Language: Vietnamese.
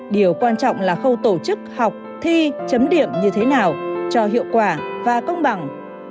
điều quan trọng là khâu tổ chức học thi chấm điểm như thế nào cho hiệu quả và công bằng